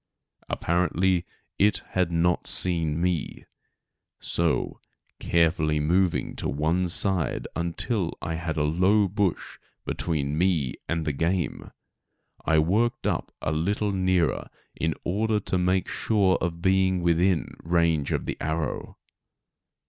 Apparently it had not seen me, so, carefully moving to one side until I had a low bush between me and the game, I worked up a little nearer in order to make sure of being within range of the arrow.